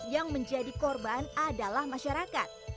yang menjadi korban adalah masyarakat